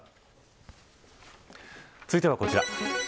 続いては、こちら。